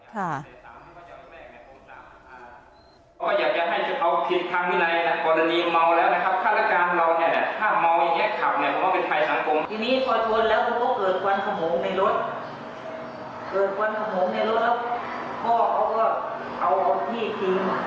กวนเขาโม้ในรถ